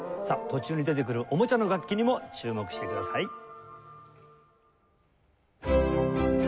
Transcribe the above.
さあ途中に出てくるおもちゃの楽器にも注目してください。